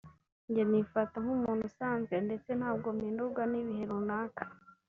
njye nifata nk’umuntu usanzwe ndetse ntabwo mpindurwa n’ibihe runaka